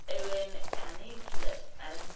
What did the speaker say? Owen Caniculus and S.